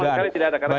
ya sama sekali tidak ada